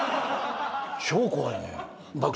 超怖いね。